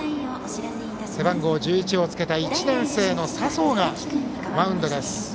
背番号１１をつけた１年生の佐宗がマウンドです。